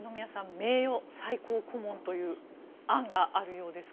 名誉最高顧問という案があるようですが。